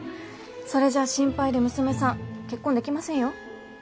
それじゃあ心配で娘さん結婚できませんよ